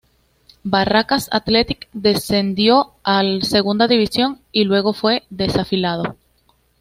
Barracas Athletic descendió a Segunda División y luego fue desafiliado.